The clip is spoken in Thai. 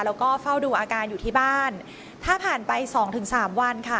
แล้วก็เฝ้าดูอาการอยู่ที่บ้านถ้าผ่านไปสองถึงสามวันค่ะ